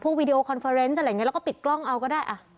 วีดีโอคอนเฟอร์เนส์อะไรอย่างนี้แล้วก็ปิดกล้องเอาก็ได้